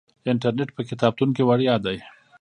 انټرنیټ په کتابتون کې وړیا دی.